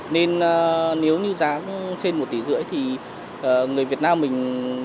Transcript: nên nếu như giá trên một tỷ rưỡi thì người việt nam mình